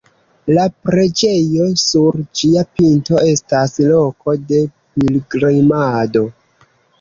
La preĝejo sur ĝia pinto estas loko de pilgrimado.